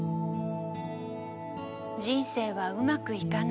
人生はうまくいかない。